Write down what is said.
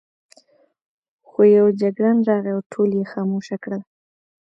خو یو جګړن راغی او ټول یې خاموشه کړل.